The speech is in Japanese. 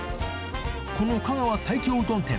この香川最強うどん店